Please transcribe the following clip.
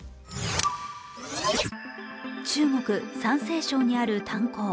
中国・山西省にある炭鉱。